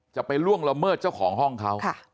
จะไปล่วงละเมิดเจ้าของห้องเค้า